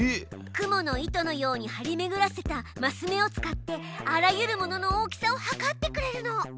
クモの糸のように張りめぐらせたマス目を使ってあらゆるものの大きさをはかってくれるの。